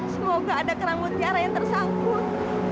semoga ada kerangut tiara yang tersangkut